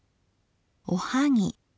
「おはぎ」